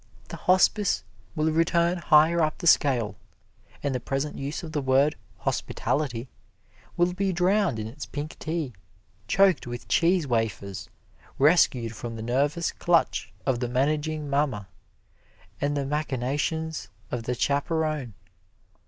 The hospice will return higher up the scale, and the present use of the word "hospitality" will be drowned in its pink tea, choked with cheese wafers, rescued from the nervous clutch of the managing mama, and the machinations of the chaperone.